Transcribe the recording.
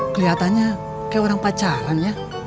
kelihatannya kayak orang pacaran ya